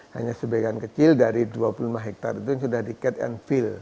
hanya sebagian kecil dari dua puluh lima hektare itu sudah di cat and feel